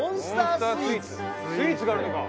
スイーツがあるのか？